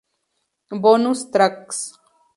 Bonus Tracks